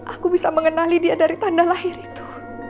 aku bisa mengenali dia dari tanda lahir itu